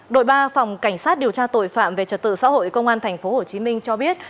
đội ba phòng cảnh sát điều tra tội phạm về trật tự xã hội công an tp hcm cho biết